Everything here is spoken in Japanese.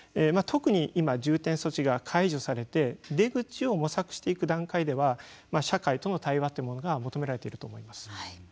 特に今、重点措置が解除されて出口を模索していく段階では社会との対話というものが求められていると思います。